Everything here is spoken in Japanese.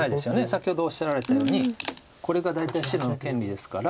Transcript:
先ほどおっしゃられたようにこれが大体白の権利ですから黒はまだ。